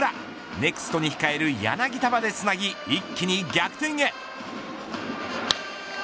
ネクストに控える柳田までつなぎ一気に逆転へ。